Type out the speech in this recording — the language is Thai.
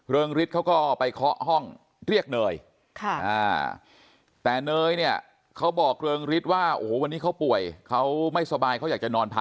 เริงฤทธิ์เขาก็ไปเคาะห้องเรียกเนยแต่เนยเนี่ยเขาบอกเริงฤทธิ์ว่า